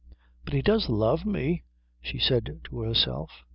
"But he does love me," she said to herself.